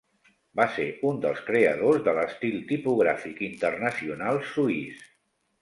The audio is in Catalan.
Va ser un dels creadors de l'estil tipogràfic internacional Suís.